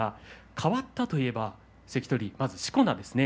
変わったといえばまず、しこ名ですね。